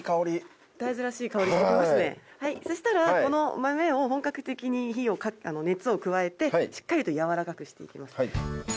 そしたらこの豆を本格的に熱を加えてしっかりと軟らかくして行きます。